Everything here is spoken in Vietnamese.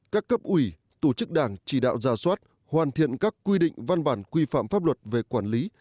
các cấp ủy tổ chức đảng chỉ đạo ra soát hoàn thiện các quy định văn bản quy phạm pháp luật về quản lý